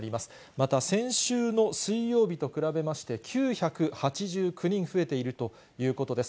また先週の水曜日と比べまして、９８９人増えているということです。